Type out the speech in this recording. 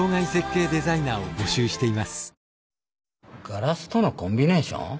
ガラスとのコンビネーション？